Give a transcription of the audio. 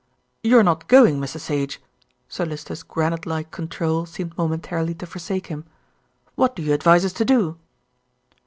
"You're not going, Mr. Sage?" Sir Lyster's granite like control seemed momentarily to forsake him. "What do you advise us to do?"